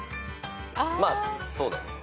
まあそうだよね。